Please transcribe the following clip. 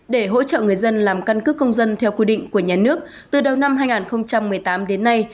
để hỗ trợ người dân làm căn cước công dân theo quy định của nhà nước từ đầu năm hai nghìn một mươi tám đến nay